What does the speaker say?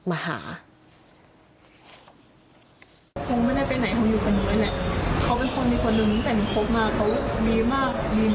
คงไม่ได้ไปไหนเธออยู่กับหนุ๊ยแหละเธอเป็นคนดีคนหนึ่งตั้งแต่มีคบมาเธอดีมากดีจริง